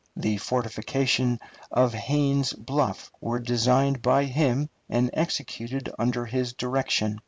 The fortifications of Haynes's Bluff were designed by him and executed under his direction.